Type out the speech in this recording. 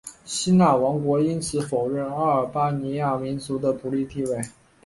希腊王国因此否认阿尔巴尼亚民族的独立地位。